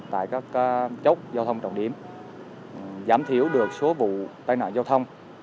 tại các chốt giao thông trọng điểm giảm thiểu được số vụ tai nạn giao thông